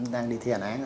đang đi thi hành án